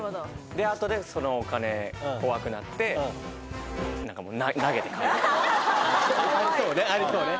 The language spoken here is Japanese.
であとでそのお金怖くなって何かもうありそうねありそうね。